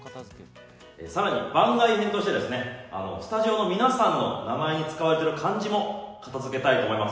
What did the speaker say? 番外編としてスタジオの皆さんの名前に使われている漢字も片付けたいと思います。